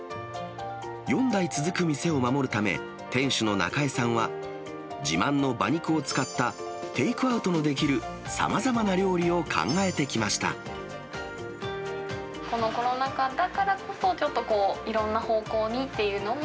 ４代続く店を守るため、店主の中江さんは、自慢の馬肉を使ったテイクアウトのできるさまざまな料理を考えてこのコロナからだからこそ、ちょっとこう、いろんな方向にっていうのも。